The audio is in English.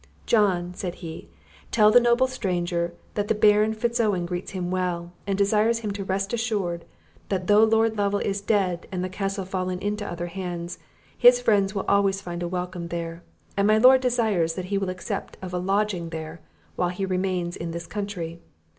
'John,' said he, 'tell the noble stranger that the Baron Fitz Owen greets him well, and desires him to rest assured, that though Lord Lovel is dead, and the castle fallen into other hands, his friends will always find a welcome there; and my lord desires that he will accept of a lodging there, while he remains in this country.